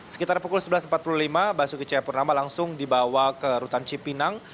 sekitar pukul sebelas empat puluh lima basuki cahayapurnama langsung dibawa ke rutan cipinang